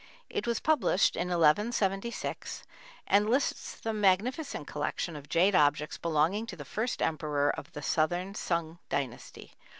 It was published in 1176, and lists the magnificent collection of jade objects belonging to the first emperor of the Southern Sung dynasty.